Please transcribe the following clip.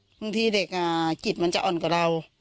บางทีเด็กจิตมันจะอ่อนกว่าเรา